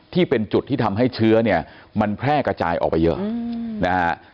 ที่เป็นจุดที่ทำให้เชื้อเนี่ยมันแพร่กระจายออกไปเยอะนะฮะ